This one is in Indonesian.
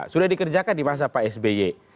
sudah dikerjakan di masa pak sby